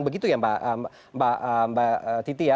begitu ya mbak titi ya